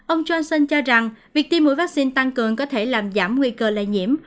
ông johnson cho rằng việc tiêm mũi vaccine tăng cường có thể làm giảm nguy cơ lây nhiễm